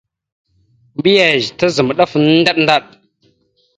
Mbiyez tazam ɗaf ndaɗ ndaɗ.